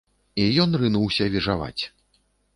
І ён рынуўся віжаваць.